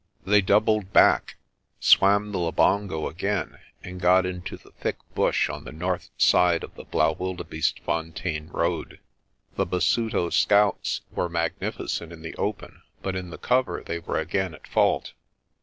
They doubled back, swam the Labongo again and got into the thick bush on the north side of the Blaauwildebeestefontein road. The Basuto scouts were magnificent in the open but in the cover they were again at fault.